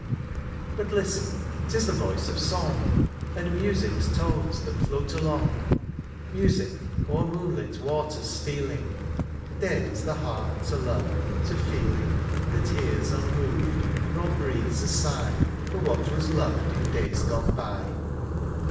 But listen, ^tis the voice of song And music's tones that float along — Music o'er moonlit waters stealing — Dead is the heart to love, to feeling. That hears unmoved, nor breathes a sigh For what was loved in days gone by.